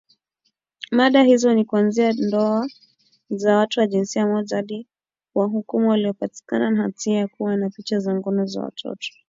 mada hizo ni kuanzia ndoa za watu wa jinsia moja hadi kuwahukumu waliopatikana na hatia ya kuwa na picha za ngono za watoto